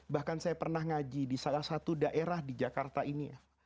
bahkan saya pernah ngaji di salah satu daerah di jakarta ini